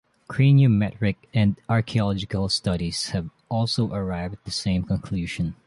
Craniometric and archaeological studies have also arrived at the same conclusion.